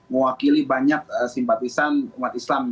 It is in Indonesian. mewakili banyak simpatisan umat islam